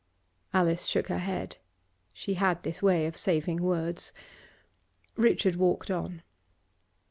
Alice shook her head. She had this way of saving words. Richard walked on.